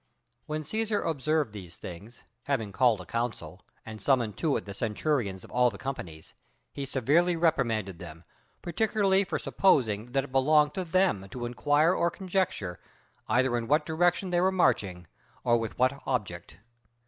When Cæsar observed these things, having called a council, and summoned to it the centurions of all the companies, he severely reprimanded them, "particularly for supposing that it belonged to them to inquire or conjecture either in what direction they were marching or with what object.